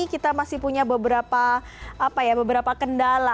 kita masih punya beberapa kendala